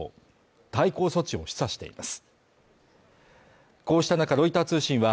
対抗措置を示唆しています。